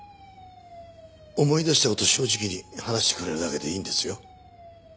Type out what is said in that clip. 思い出した事を正直に話してくれるだけでいいんですよ。